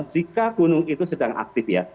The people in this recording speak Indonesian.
jika gunung itu sedang aktif ya